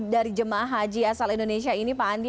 dari jemaah haji asal indonesia ini pak andi